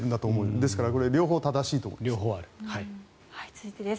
ですから両方正しいと思います。